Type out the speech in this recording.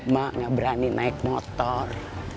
mak gak berani naik motor